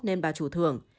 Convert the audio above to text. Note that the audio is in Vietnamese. nên bà chủ thưởng